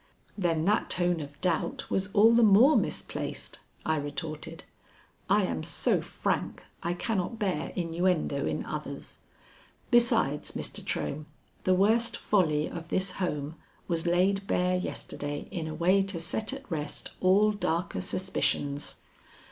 "Then that tone of doubt was all the more misplaced," I retorted. "I am so frank, I cannot bear innuendo in others. Besides, Mr. Trohm, the worst folly of this home was laid bare yesterday in a way to set at rest all darker suspicions.